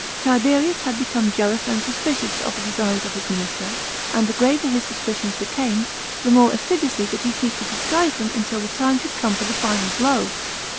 Tiberius had become jealous and suspicious of the designs of his minister ; and the graver his suspicions became, the more assiduously did he seek to disguise them until the time should come for the final blow.